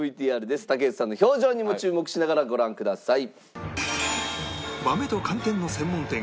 竹内さんの表情にも注目しながらご覧ください。